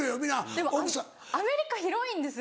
でもアメリカ広いんですよ。